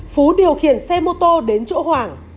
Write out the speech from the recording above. phú điều khiển xe mô tô đến chỗ hoàng